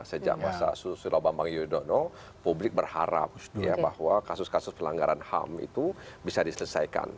sejak masa sulawabambang yudono publik berharap bahwa kasus kasus pelanggaran ham itu bisa diselesaikan